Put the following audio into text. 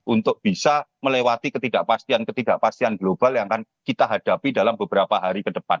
untuk bisa melewati ketidakpastian ketidakpastian global yang akan kita hadapi dalam beberapa hari ke depan